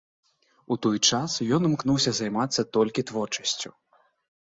У той час ён імкнуўся займацца толькі творчасцю.